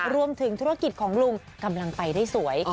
รวมถึงธุรกิจของลุงกำลังไปได้สวย